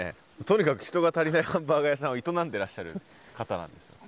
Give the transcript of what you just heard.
とにかく人が足りないハンバーガー屋さんを営んでらっしゃる方なんですね。